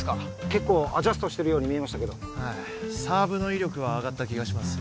結構アジャストしてるように見えましたけどサーブの威力は上がった気がします